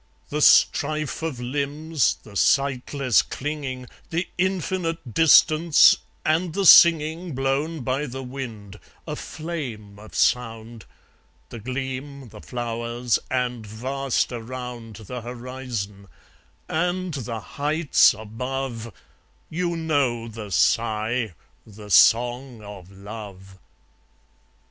The strife of limbs, the sightless clinging, The infinite distance, and the singing Blown by the wind, a flame of sound, The gleam, the flowers, and vast around The horizon, and the heights above You know the sigh, the song of love!